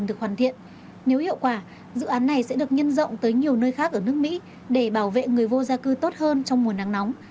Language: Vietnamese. nếu hiệu quả dự án này sẽ được nhân rộng tới nhiều nơi khác ở nước mỹ để bảo vệ người vô gia cư tốt hơn trong mùa nắng nóng